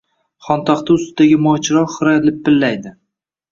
Xontaxta ustidagi moychiroq xira lipillaydi.